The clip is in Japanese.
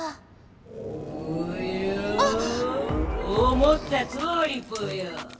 思ったとおりぽよ。